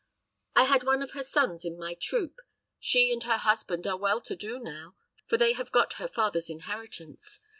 I had one of her sons in my troop. She and her husband are well to do now, for they have got her father's inheritance.